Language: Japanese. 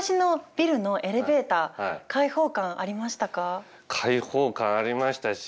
開放感ありましたし。